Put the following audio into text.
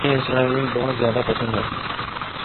انہیں اسرائیل بہت زیادہ پسند ہے